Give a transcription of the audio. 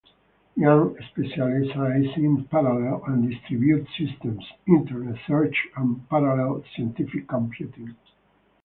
Yang specializes in parallel and distributed systems, Internet search, and parallel scientific computing.